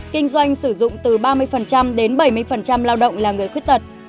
kinh doanh sử dụng từ ba mươi đến bảy mươi lao động là người khuyết tật